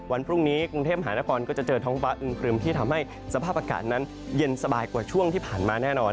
วันพรุ่งนี้กรุงเทพหานครก็จะเจอท้องฟ้าอึมครึมที่ทำให้สภาพอากาศนั้นเย็นสบายกว่าช่วงที่ผ่านมาแน่นอน